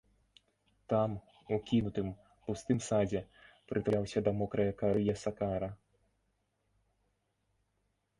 Там, у кінутым, пустым садзе, прытуляўся да мокрае кары ясакара.